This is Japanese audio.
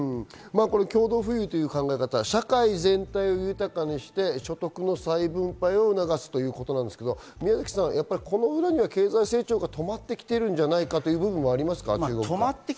共同富裕という考え方、社会全体を豊かにして所得の再分配を促すということですが、この裏には経済成長が止まってきているんじゃないかということもありますか？